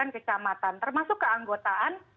kecamatan termasuk keanggotaan